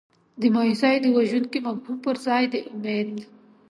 د مایوسۍ د وژونکي مفهوم پر ځای د امید.